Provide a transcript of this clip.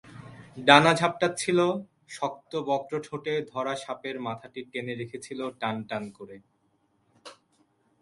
ডানা ঝাপটাচ্ছিল, শক্ত-বক্র ঠোঁটে ধরা সাপের মাথাটি টেনে রেখেছিল টান টান করে।